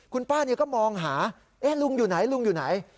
คุณป้าก็มองหาลุงอยู่ไหนลุงอยู่ไหน